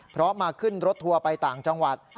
เพราะมาขึ้นรถทัวร์ไปต่างจังหวัด